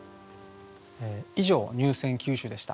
以上入選九首でした。